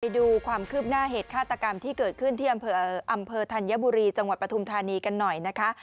ดูความคืบหน้าเหตุฆาตกรรมที่เกิดขึ้นที่อำเภอธัญบุรีจังหวัดปฐุมธานีกันหน่อยนะคะ